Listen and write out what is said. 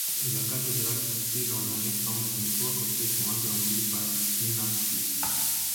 La cathédrale s'inscrit dans un rectangle dont trois côtés sont agrandis par une abside.